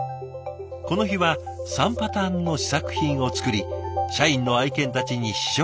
この日は３パターンの試作品を作り社員の愛犬たちに試食してもらうことに。